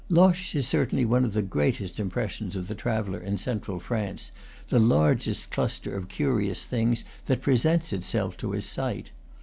Loches is certainly one of the greatest impressions of the traveller in central France, the largest cluster of curious things that presents itself to his sight.